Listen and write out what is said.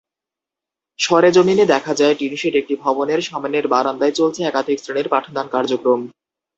সরেজমিনে দেখা যায়, টিনশেড একটি ভবনের সামনের বারান্দায় চলছে একাধিক শ্রেণীর পাঠদান কার্যক্রম।